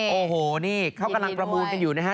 โอ้โหนี่เขากำลังประมูลกันอยู่นะฮะ